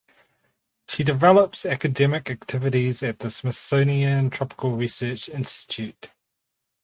She develops academic activities at the Smithsonian Tropical Research Institute.